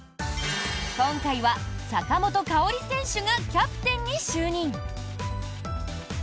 今回は、坂本花織選手がキャプテンに就任。